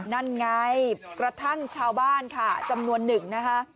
นั่นไงกระทั่งชาวบ้านค่ะจำนวนหนึ่งนะคะ